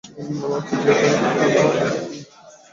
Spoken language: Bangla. ভাবছি যে এখানে খুব ঠান্ডা কিনা।